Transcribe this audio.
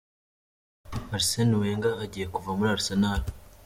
Arsene Wenger agiye kuva muri Arsenal.